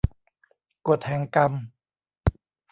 กฎแห่งกรรม